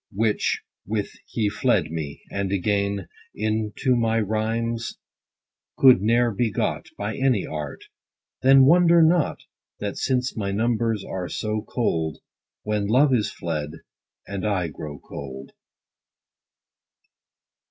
With which he fled me ; and again, Into my rhymes could ne'er be got By any art : then wonder not, 10 That since, my numbers are so cold, When Love is fled, and I grow cold.